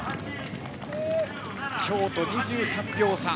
京都２３秒差。